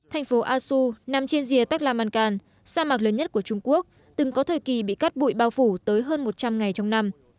thành phố asu nằm trên rìa taklamankan sa mạc lớn nhất của trung quốc từng có thời kỳ bị cắt bụi bao phủ tới hơn một trăm linh ngày trong năm